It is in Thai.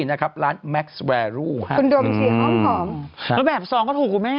นะครับร้านแมคซ์แวรูคือคือแบบสองก็ถูกกูแม่